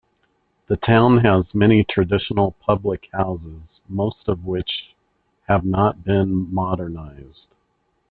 The town has many traditional public houses, most of which have not been modernised.